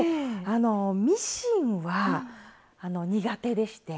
あのミシンは苦手でして。